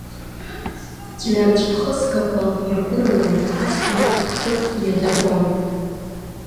Ҵәҩанҵә-хысгақәа гәыргәыруан, ажәҩан ахҭыԥ иадыргон.